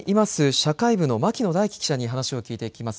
社会部の牧野大輝記者に話を聞いていきます。